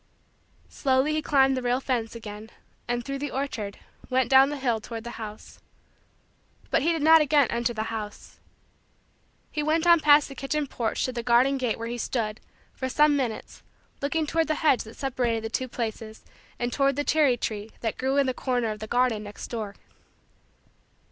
Slowly he climbed the rail fence again and, through the orchard, went down the hill toward the house. But he did not again enter the house. He went on past the kitchen porch to the garden gate where he stood, for some minutes, looking toward the hedge that separated the two places and toward the cherry tree that grew in the corner of the garden next door.